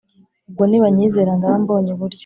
ubwo nibanyizera ndaba mbonye uburyo